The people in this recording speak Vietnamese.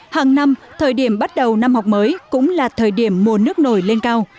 hàng năm thời điểm bắt đầu năm học mới cũng là thời điểm mùa nước nổi lên cao